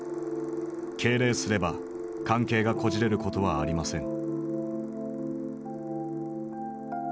敬礼すれば関係がこじれることはありません」。